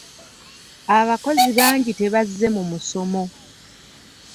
Abakozi bangi tebazze mu musomo.